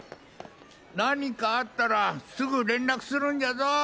何かあったらすぐ連絡するんじゃぞ！